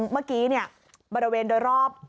เมื่อกี้บริเวณโดยรอบ